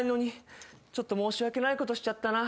ちょっと申し訳ないことしちゃったな。